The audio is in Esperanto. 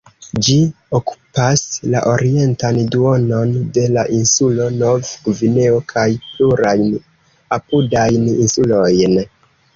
Ĝi okupas la orientan duonon de la insulo Nov-Gvineo kaj plurajn apudajn insulojn.